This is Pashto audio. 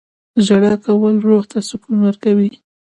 • ژړا کول روح ته سکون ورکوي.